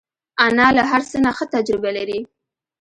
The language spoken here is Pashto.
انا له هر څه نه ښه تجربه لري